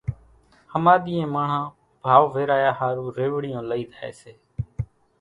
ۿماۮِيئين ماڻۿان ڀائو ويرايا ۿارُو ريوڙيون لئي زائي سي۔